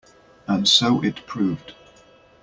And so it proved.